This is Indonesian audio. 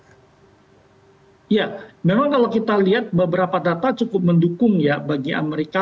ya memang kalau kita lihat beberapa data cukup mendukung ya bagi amerika